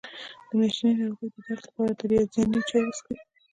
د میاشتنۍ ناروغۍ درد لپاره د رازیانې چای وڅښئ